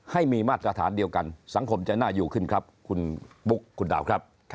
ให้มีมาตรฐานเดียวกันสังคมจะน่าอยู่ขึ้นครับคุณบุ๊คคุณดาวครับ